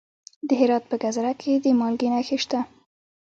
د هرات په ګذره کې د مالګې نښې شته.